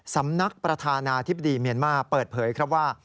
สำนักประธานาธิบดีเมียนมาเปิดเผยครับว่า